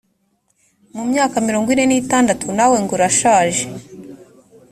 mu myaka mirongo ine n itandatu nawe ngo urashaje